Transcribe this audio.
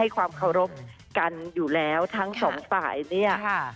ความเคารพกันอยู่แล้วทั้งสองฝ่ายเนี่ย